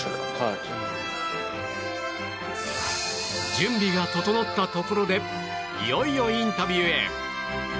準備が整ったところでいよいよインタビューへ。